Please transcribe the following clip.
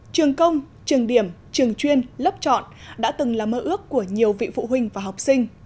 trường công trường điểm trường chuyên lớp chọn đã từng là mơ ước của nhiều vị phụ huynh và học sinh